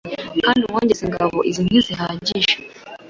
kandi umwongeze ingabo izi ntizihagije